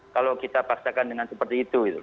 kalau kita paksakan dengan seperti itu